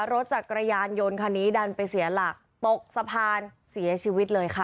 รถจักรยานยนต์คันนี้ดันไปเสียหลักตกสะพานเสียชีวิตเลยค่ะ